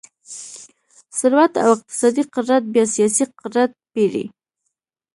ثروت او اقتصادي قدرت بیا سیاسي قدرت پېري.